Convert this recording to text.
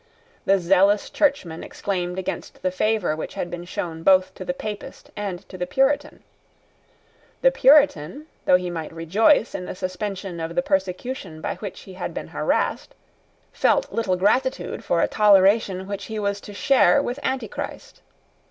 The zealous churchman exclaimed against the favour which had been shown both to the Papist and to the Puritan. The Puritan, though he might rejoice in the suspension of the persecution by which he had been harassed, felt little gratitude for a toleration which he was to share with Antichrist.